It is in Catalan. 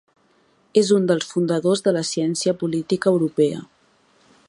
És un dels fundadors de la ciència política europea.